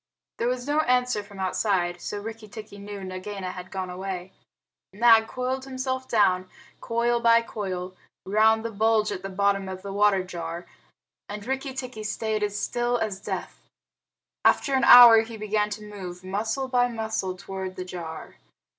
There was no answer from outside, so Rikki tikki knew Nagaina had gone away. Nag coiled himself down, coil by coil, round the bulge at the bottom of the water jar, and Rikki tikki stayed still as death. After an hour he began to move, muscle by muscle, toward the jar.